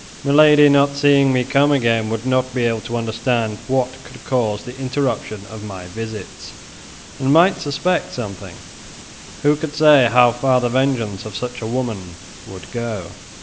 Milady, not seeing me come again, would not be able to understand what could cause the interruption of my visits, and might suspect something; who could say how far the vengeance of such a woman would go?"